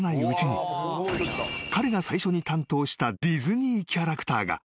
［彼が最初に担当したディズニーキャラクターが］